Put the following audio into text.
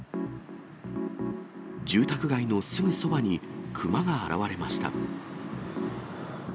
住宅街のすぐそばに熊が現れました。